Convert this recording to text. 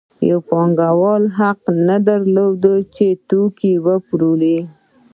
یو پانګوال حق نه درلود چې توکي وپلوري